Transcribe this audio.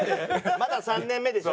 まだ３年目でしょ？